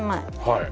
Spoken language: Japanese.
はい。